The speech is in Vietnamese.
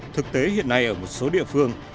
thực tế hiện nay ở một số địa phương